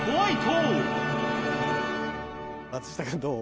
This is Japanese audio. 松下君どう？